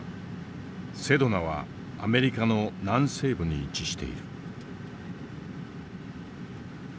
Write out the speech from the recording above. セドナはアメリカの南西部に位置している。